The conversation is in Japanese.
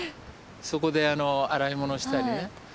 そこであの洗い物をしたりね。